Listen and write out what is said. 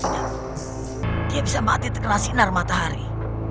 jika tidak dia bisa mati terkena sinar matahari